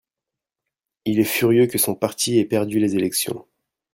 il est furieux que son parti ait perdu les élections.